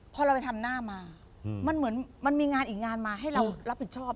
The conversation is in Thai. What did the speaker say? พอเราไปทำหน้ามามันเหมือนมันมีงานอีกงานมาให้เรารับผิดชอบ